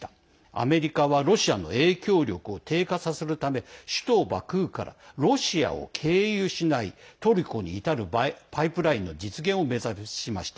アメリカはロシアの影響力を低下させるために首都バクーからロシアを経由しないトルコに至るパイプラインの実現を目指しました。